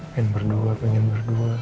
pengen berdua pengen berdua